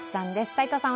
齋藤さん